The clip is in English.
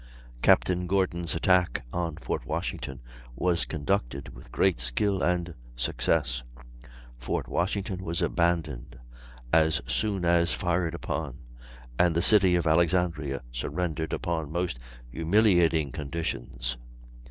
Captain Gordon's attack on Fort Washington was conducted with great skill and success. Fort Washington was abandoned as soon as fired upon, and the city of Alexandria surrendered upon most humiliating conditions.